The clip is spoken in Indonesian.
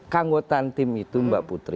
kanggotan tim itu